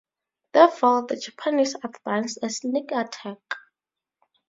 Therefore, the Japanese advanced a sneak attack.